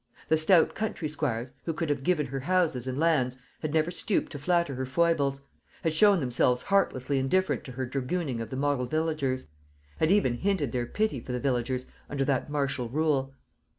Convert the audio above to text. The stout country squires, who could have given her houses and lands, had never stooped to flatter her foibles; had shown themselves heartlessly indifferent to her dragooning of the model villagers; had even hinted their pity for the villagers under that martial rule.